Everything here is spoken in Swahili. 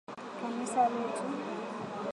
Kanisa letu.